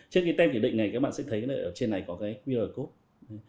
trên cái tem kiểm định này các bạn sẽ thấy ở trên này có cái qr code